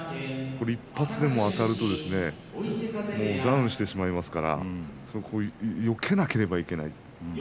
１発でもあたるとダウンしてしまいますからよけなければいけない。